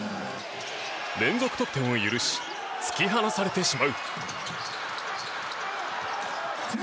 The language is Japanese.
連続得点を許し突き放されてしまう。